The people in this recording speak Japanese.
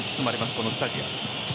このスタジアム。